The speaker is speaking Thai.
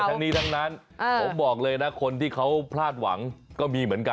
ทั้งนี้ทั้งนั้นผมบอกเลยนะคนที่เขาพลาดหวังก็มีเหมือนกัน